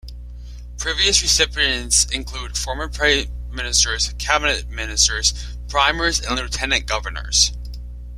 Previous recipients include former Prime Ministers, Cabinet Ministers, Premiers and Lieutenant Governors.